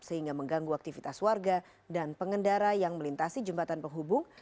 sehingga mengganggu aktivitas warga dan pengendara yang melintasi jembatan penghubung